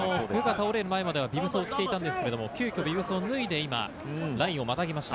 今までビブスをしていたんですが、急きょ、ビブスを脱いでラインをまたぎました。